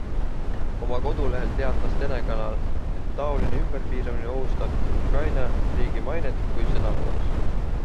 Oma kodulehel teatas telekanal, et taoline ümberpiiramine ohustab nii Ukraina riigi mainet kui sõnavabadust.